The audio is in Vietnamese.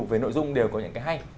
với nội dung đều có những cái hay